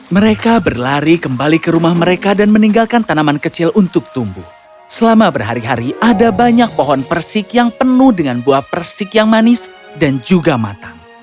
mereka berlari kembali ke rumah mereka dan meninggalkan tanaman kecil untuk tumbuh selama berhari hari ada banyak pohon persik yang penuh dengan buah persik yang manis dan juga matang